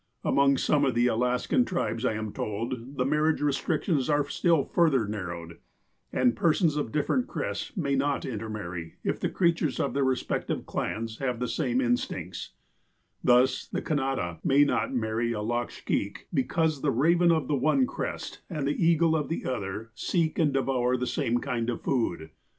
" Among some of the Alaskan tribes, I am told, the marriage restrictions are still further narrowed, and persons of different crests may not intermarry, if the creatures of their respective clans have the same instincts ; thus, the Canadda may not marry a Lackshkeak, because the raven of the one crest and the eagle of the other, seek and devour the same kind of food.